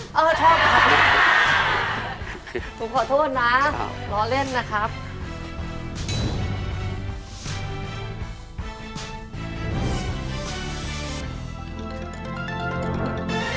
ผมขอโทษนะล้อเล่นนะครับ